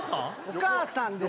お母さんです